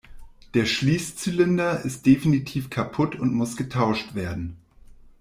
Der Schließzylinder ist definitiv kaputt und muss getauscht werden.